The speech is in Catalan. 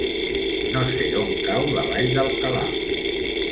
No sé on cau la Vall d'Alcalà.